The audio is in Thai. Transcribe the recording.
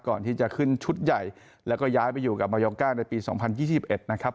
ก่อนที่จะขึ้นชุดใหญ่แล้วก็ย้ายไปอยู่กับมายก้าในปี๒๐๒๑นะครับ